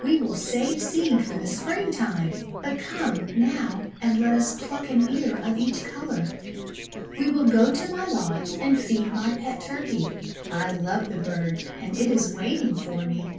We will save seed for the Springtime! "But come, now, and let us pluck an ear of each colour. We will go to my lodge and feed niy pet Turkey. I love the bird, and it is waiting for me."